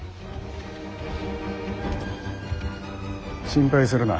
心配するな。